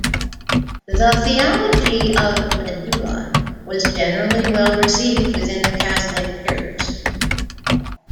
The theology of "Medulla" was generally well received within the Catholic Church.